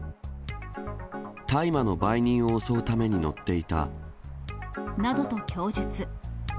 大麻の売人を襲うために乗っなどと供述。